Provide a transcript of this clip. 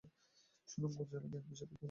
সুনামগঞ্জ জেলা বিএনপির সাবেক সভাপতি।